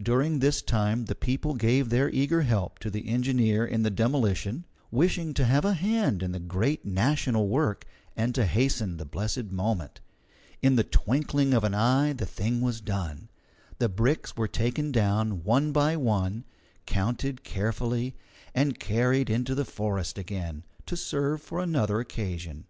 During this time the people gave their eager help to the engineer in the demolition, wishing to have a hand in the great national work and to hasten the blessed moment. In the twinkling of an eye the thing was done. The bricks were taken down one by one, counted carefully, and carried into the forest again, to serve for another occasion.